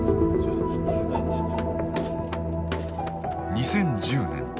２０１０年。